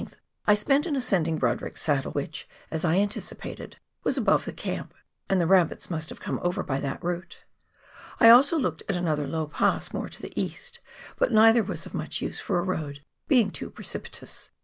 The 15th I spent in ascending Brodrick's Saddle, which, as I anticipated, was above the camp, and the rabbits must have come over by that route. I also looked at another low pass more to the east, but neither was of much use for a road, being too precipitous.